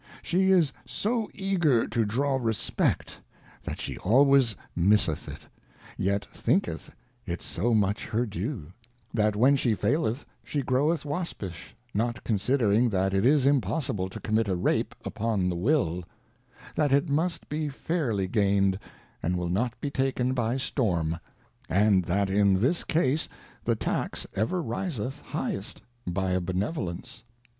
She is so eager to draw respect, that she always misseth it, yet thinketh it so much her due, that when she faileth she groweth waspish, not considering, that it is impossible to commit a Rape upon the will ; that it must be fairly gained, and will not be taken by Storm; and that in this Case, the Tax ever riseth highest by a Benevolence.